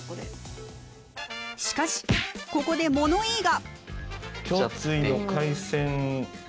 しかしここで物言いが！